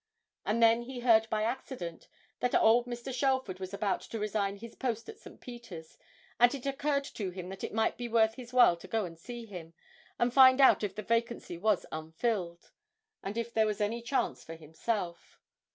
And then he heard by accident that old Mr. Shelford was about to resign his post at St. Peter's, and it occurred to him that it might be worth his while to go and see him, and find out if the vacancy was unfilled, and if there was any chance for himself.